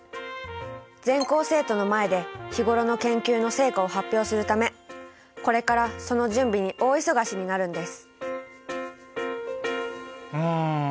全校生徒の前で日頃の研究の成果を発表するためこれからその準備に大忙しになるんですうん